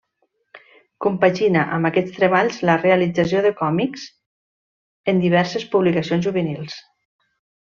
Compagina amb aquests treballs la realització de còmics en diverses publicacions juvenils.